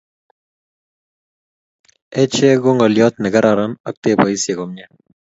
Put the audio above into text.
Ache ko ngolyot nekararan otkeboisie komie